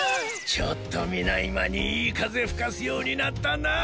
ちょっとみないまにいいかぜふかすようになったなあ。